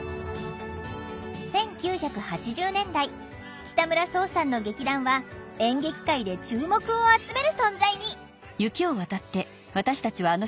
１９８０年代北村想さんの劇団は演劇界で注目を集める存在に！